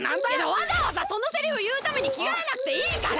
わざわざそのセリフいうためにきがえなくていいから！